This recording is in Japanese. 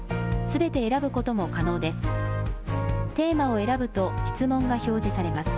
すべて選ぶことも可能です。